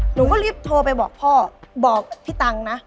หนูก็รีบโทรไปบอกพ่อบอกพี่ตังค์นะ